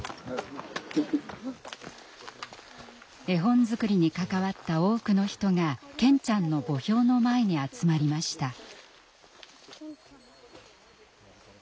絵本作りに関わった多くの人が健ちゃんの墓標の前に集まりました。